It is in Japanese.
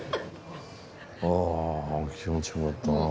ああ気持ち良かったな。